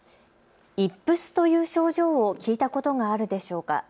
イップスという症状を聞いたことがあるでしょうか。